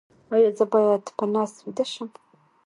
ایا زه باید په نس ویده شم؟